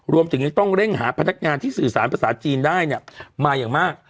รวมถึงยังต้องเร่งหาพนักงานที่สื่อสารภาษาจีนได้เนี่ยมาอย่างมาก